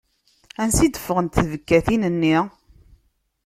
Ansa i d-ffɣent tbekkatin-nni?